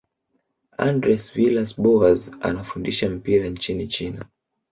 andres villas boas anafundisha mpira nchini china